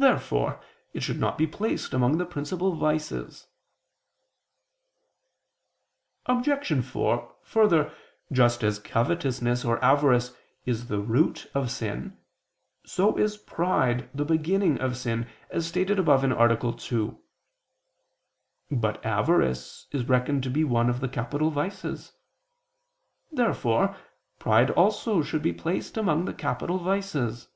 Therefore it should not be placed among the principal vices. Obj. 4: Further, just as covetousness or avarice is the root of sin, so is pride the beginning of sin, as stated above (A. 2). But avarice is reckoned to be one of the capital vices. Therefore pride also should be placed among the capital vices.